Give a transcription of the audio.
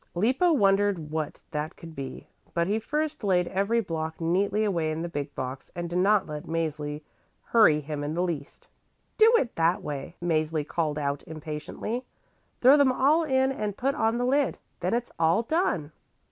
Lippo wondered what that could be, but he first laid every block neatly away in the big box and did not let Mäzli hurry him in the least. "Don't do it that way," Mäzli called out impatiently. "Throw them all in and put on the lid. Then it's all done."